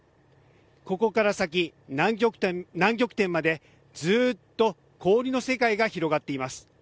ここから先、南極点までずっと氷の世界が広がっています。